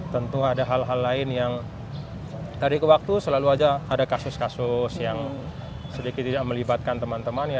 tentu ada hal hal lain yang dari kewaktu selalu ada kasus kasus yang sedikit tidak melibatkan teman teman